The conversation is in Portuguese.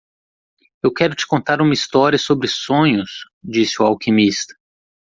"Eu quero te contar uma história sobre sonhos?", disse o alquimista.